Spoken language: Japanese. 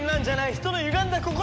人のゆがんだ心が！